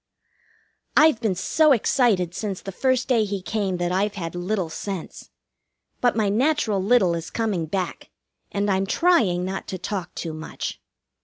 I've been so excited since the first day he came that I've had little sense. But my natural little is coming back, and I'm trying not to talk too much.